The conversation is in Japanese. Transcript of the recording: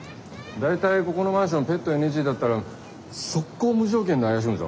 大体ここのマンションペットＮＧだったら速攻無条件で怪しむぞ。